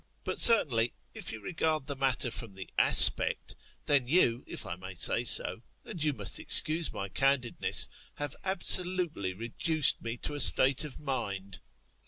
But, certainly, if you regard the matter from the aspect, then you, if I may say so, and you must excuse my candidness, have absolutely reduced me to a state of mind.